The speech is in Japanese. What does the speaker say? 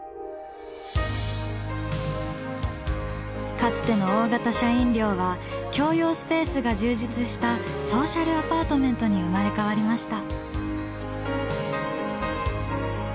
かつての大型社員寮は共用スペースが充実したソーシャルアパートメントに生まれ変わりました。